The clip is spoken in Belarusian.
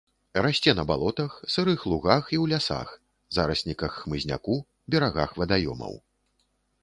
Расце на балотах, сырых лугах і ў лясах, зарасніках хмызняку, берагах вадаёмаў.